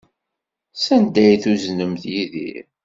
Sanda ay tuznemt Yidir?